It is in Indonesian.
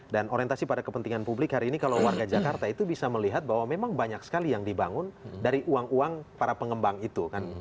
dan orientasi pada kepentingan publik hari ini kalau warga jakarta itu bisa melihat bahwa memang banyak sekali yang dibangun dari uang uang para pengembang itu